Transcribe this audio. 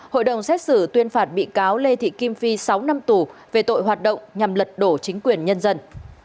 hội đồng xét xử tuyên phạt bị cáo lê thị kim phi sáu năm tù về tội hoạt động nhằm lật đổ chính quyền nhân dân